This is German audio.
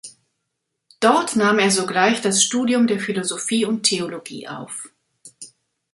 Dort nahm er sogleich das Studium der Philosophie und Theologie auf.